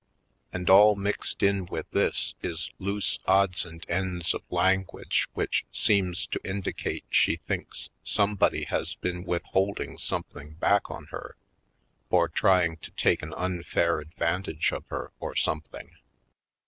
And all mixed in with this is loose odds and ends of language which seems to indicate she thinks some body has been withholding something back on her or trying to take an unfair advantage of her, or something.